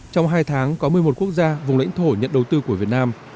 trong hai tháng có một mươi một quốc gia vùng lãnh thổ nhận đầu tư của việt nam